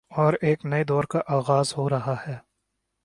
اورایک نئے دور کا آغاز ہو رہاہے۔